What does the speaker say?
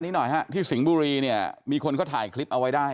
หน่อยฮะที่สิงห์บุรีเนี่ยมีคนเขาถ่ายคลิปเอาไว้ได้